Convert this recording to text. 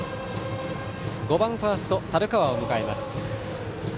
５番ファースト、樽川を迎えます。